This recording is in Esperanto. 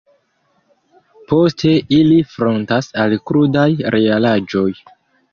Poste ili frontas al krudaj realaĵoj.